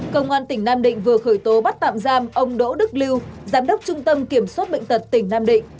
công an tỉnh nam định vừa khởi tố bắt tạm giam ông đỗ đức lưu giám đốc trung tâm kiểm soát bệnh tật tỉnh nam định